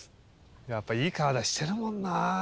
やっぱいい体してるもんな！